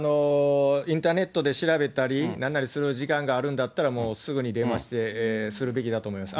インターネットで調べたり、なんなりする時間があるんだったら、もう、すぐに電話して、するべきだと思います。